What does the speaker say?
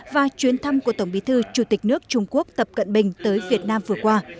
và chuyến thăm của tổng bí thư chủ tịch nước trung quốc tập cận bình tới việt nam vừa qua